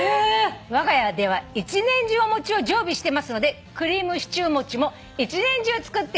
「わが家では一年中お餅を常備してますのでクリームシチュー餅も一年中作っています」